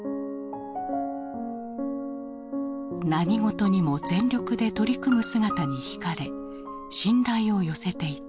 何事にも全力で取り組む姿に惹かれ信頼を寄せていた。